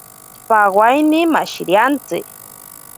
Pawaine mashiriantsi.